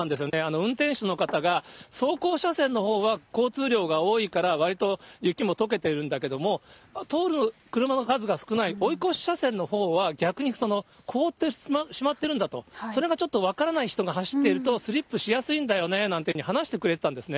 運転手の方が、走行車線のほうは交通量が多いから、わりと雪もとけているんだけれども、通る車の数が少ない、追い越し車線のほうは、逆に凍ってしまってるんだと、それがちょっと分からない人が走っていると、スリップしやすいんだよねなんて話してくれてたんですよね。